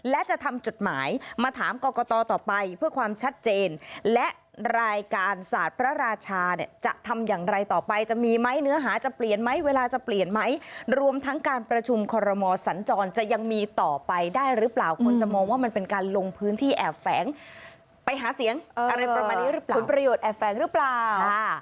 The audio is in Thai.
และจะทำจดหมายมาถามกรกตต่อไปเพื่อความชัดเจนและรายการศาสตร์พระราชาเนี่ยจะทำอย่างไรต่อไปจะมีไหมเนื้อหาจะเปลี่ยนไหมเวลาจะเปลี่ยนไหมรวมทั้งการประชุมคอรมอสัญจรจะยังมีต่อไปได้หรือเปล่าคนจะมองว่ามันเป็นการลงพื้นที่แอบแฝงไปหาเสียงอะไรประมาณนี้หรือเปล่าผลประโยชน์แอบแฝงหรือเปล่า